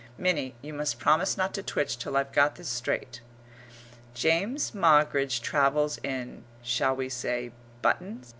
[Minnie, you must promise not to twitch till I've got this straight]. James Moggridge travels in shall we say buttons?